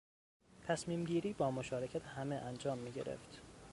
تصمیمگیری با مشارکت همه انجام میگرفت.